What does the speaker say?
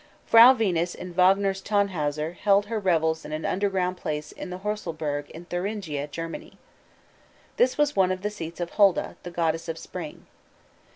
Frau Venus in Wagner's Tannhäuser held her revels in an underground palace in the Horselberg in Thuringia, Germany. This was one of the seats of Holda, the goddess of spring.